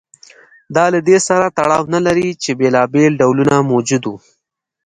دا له دې سره تړاو نه لري چې بېلابېل ډولونه موجود و